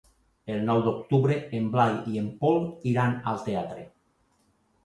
El nou d'octubre en Blai i en Pol iran al teatre.